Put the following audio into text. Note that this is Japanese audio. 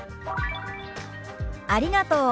「ありがとう」。